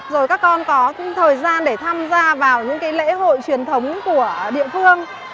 rồi các con có thời gian để tham gia vào những lễ hội truyền thống của địa phương